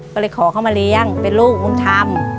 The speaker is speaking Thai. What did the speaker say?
ก็เลยขอเข้ามาเลี้ยงเป็นลูกบุญธรรม